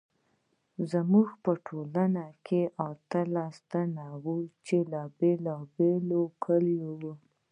موږ په ټولګي کې اتلس تنه وو چې له بیلابیلو کلیو وو